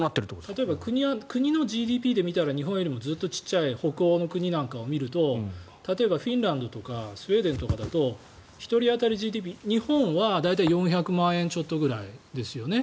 例えば国のＧＤＰで見たら日本よりもずっと小さい北欧の国なんかを見ると例えばフィンランドとかスウェーデンとかだと１人当たりＧＤＰ日本は大体４００万円ちょっとぐらいですよね。